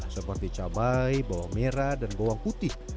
seperti cabai bawang merah dan bawang putih